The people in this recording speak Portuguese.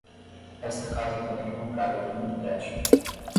Esta casa também é comprada por um empréstimo.